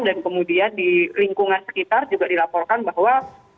dan kemudian di lingkungan sekitar juga dilaporkan bahwa